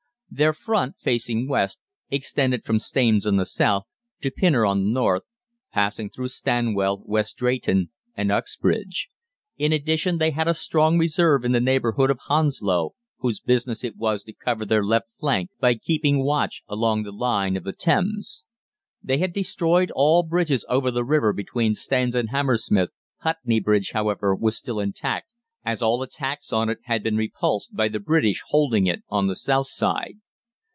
Their front, facing west, extended from Staines on the south, to Pinner on the north, passing through Stanwell, West Drayton, and Uxbridge. In addition they had a strong reserve in the neighbourhood of Hounslow, whose business it was to cover their left flank by keeping watch along the line of the Thames. They had destroyed all bridges over the river between Staines and Hammersmith. Putney Bridge, however, was still intact, as all attacks on it had been repulsed by the British holding it on the south side.